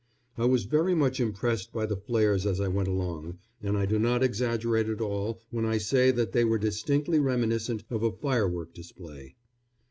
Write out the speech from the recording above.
I was very much impressed by the flares as I went along, and I do not exaggerate at all when I say that they were distinctly reminiscent of a firework display.